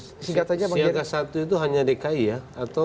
siaga satu itu hanya dki ya